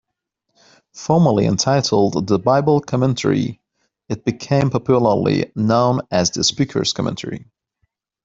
Formally entitled "The Bible Commentary", it became popularly known as "The Speaker's Commentary".